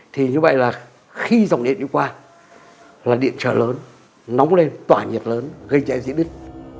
thì như vậy là khi dòng điện đi qua là điện trở lớn nóng lên tỏa nhiệt lớn gây cháy diễn đứt